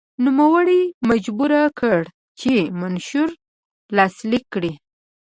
نوموړی یې مجبور کړ چې منشور لاسلیک کړي.